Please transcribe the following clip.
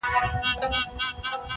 اشنا د بل وطن سړی دی-